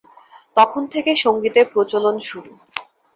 তখন থেকেই সঙ্গীতের প্রচলন শুরু।